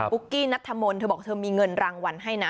กี้นัทธมนต์เธอบอกเธอมีเงินรางวัลให้นะ